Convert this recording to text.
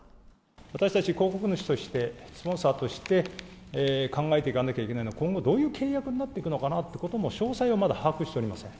私たち広告主として、スポンサーとして、考えていかなきゃいけないのは今後、どういう契約になっていくのかなということも、詳細はまだ把握しておりません。